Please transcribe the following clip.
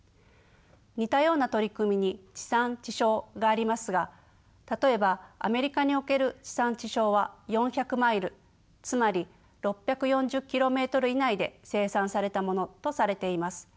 似たような取り組みに地産地消がありますが例えばアメリカにおける地産地消は４００マイルつまり６４０ｋｍ以内で生産されたものとされています。